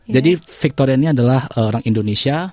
jadi victoria ini adalah orang indonesia